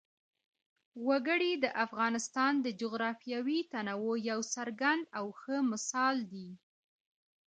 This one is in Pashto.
وګړي د افغانستان د جغرافیوي تنوع یو څرګند او ښه مثال دی.